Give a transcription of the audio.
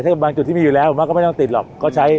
ซึ่งบางจุดที่มีอยู่แล้วมันก็ไม่ต้องติดหรอกก็ใช้